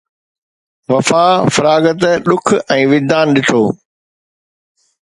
وفا، فراغت، ڏک ۽ وجدان ڏٺو